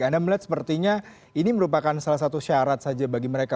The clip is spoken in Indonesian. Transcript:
anda melihat sepertinya ini merupakan salah satu syarat saja bagi mereka